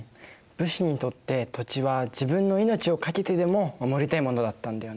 武士にとって土地は自分の命を懸けてでも守りたいものだったんだよね。